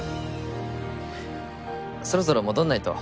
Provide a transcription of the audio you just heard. そろそろ戻らないと。